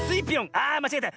あまちがえた。